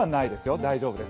大丈夫です。